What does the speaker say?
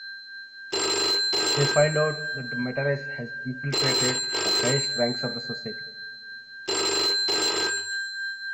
They find out that the Matarese has infiltrated the highest ranks of the society.